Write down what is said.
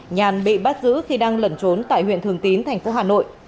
nhàn bị bắt giữ khi đang lẩn trốn tại huyện thường tín thành phố hà nội